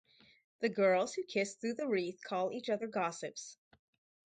The girls who kiss through the wreath call each other gossips.